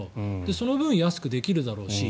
その分、安くできるだろうし。